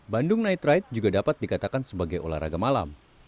bandung night ride juga dapat dikatakan sebagai olahraga malam